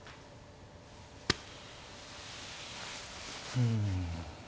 うん。